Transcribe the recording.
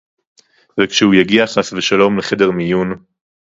וכשהוא יגיע חס ושלום לחדר מיון